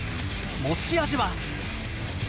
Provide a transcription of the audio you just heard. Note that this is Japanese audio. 持ち味は。